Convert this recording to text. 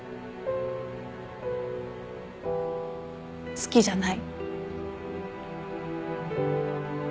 好きじゃない。